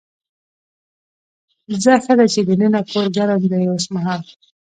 ځه ښه ده چې دننه کور ګرم دی اوسمهال.